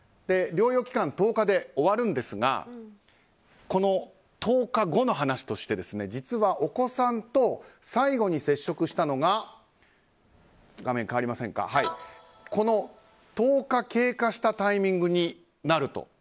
療養期間１０日で終わるんですがこの１０日後の話として実はお子さんと最後に接触したのがこの１０日経過したタイミングになると。